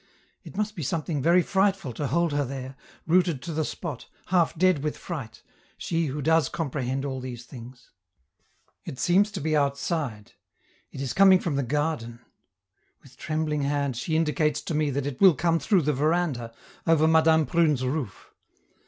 It must be something very frightful to hold her there, rooted to the spot, half dead with fright, she who does comprehend all these things. It seems to be outside; it is coming from the garden; with trembling hand she indicates to me that it will come through the veranda, over Madame Prune's roof.